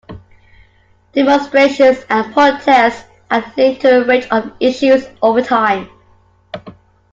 Demonstrations and Protests are linked to a range of issues over time.